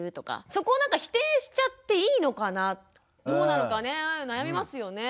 そこをなんか否定しちゃっていいのかなどうなのかね悩みますよね。